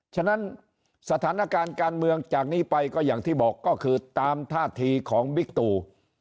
ฉะนั้นสถานการณ์การเมืองจากนี้ไปก็อย่างที่บอกก็คือตามท่าทีของบิ๊กตู